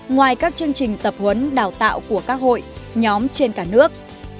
ngoài các chương trình tập huấn đào tạo của các hội nhóm trên cả nước